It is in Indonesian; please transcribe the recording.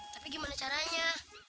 tapi gimana caranya